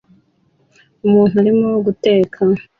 Umuntu arimo guteka